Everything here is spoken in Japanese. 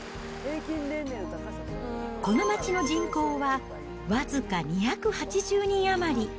この町の人口は僅か２８０人余り。